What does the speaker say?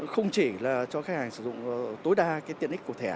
không chỉ là cho khách hàng sử dụng tối đa tiện ích của thẻ